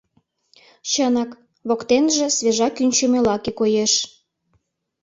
Чынак, воктеныже свежа кӱнчымӧ лаке коеш.